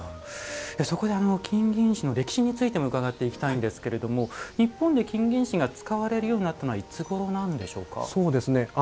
そこで金銀糸の歴史についても伺っていきたいんですけど日本で金銀糸が使われるようになったのはいつごろなんでしょうか？